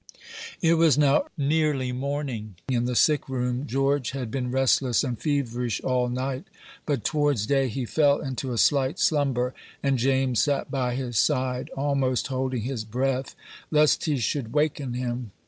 It was now nearly morning in the sick room. George had been restless and feverish all night; but towards day he fell into a slight slumber, and James sat by his side, almost holding his breath lest he should waken him.